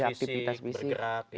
aktivitas fisik bergerak gitu ya